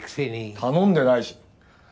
頼んでないし！